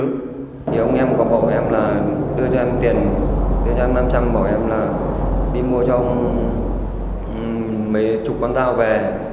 thì ông em có bảo em là đưa cho em tiền đưa cho em năm trăm linh bảo em là đi mua cho ông mấy chục con rau về